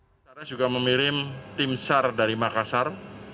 basarnas juga mengirim tim sar dari makassar